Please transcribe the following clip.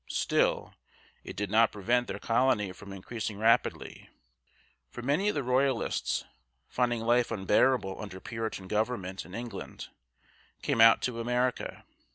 Still, it did not prevent their colony from increasing rapidly, for many of the Royalists, finding life unbearable under Puritan government in England, came out to America.